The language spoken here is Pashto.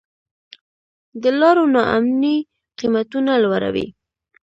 د لارو نا امني قیمتونه لوړوي.